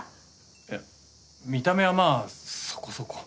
いや見た目はまあそこそこ。